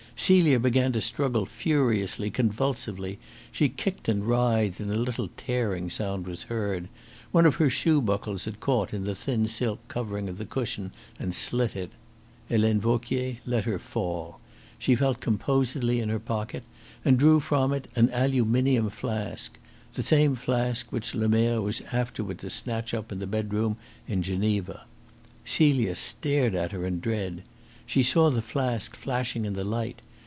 Celia began to struggle furiously, convulsively. She kicked and writhed, and a little tearing sound was heard. One of her shoe buckles had caught in the thin silk covering of the cushion and slit it. Helene Vauquier let her fall. She felt composedly in her pocket, and drew from it an aluminium flask the same flask which Lemerre was afterward to snatch up in the bedroom in Geneva. Celia stared at her in dread. She saw the flask flashing in the light.